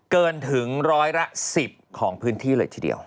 เกินถึงร้อยละ๑๐ของพื้นที่เลยทีเดียว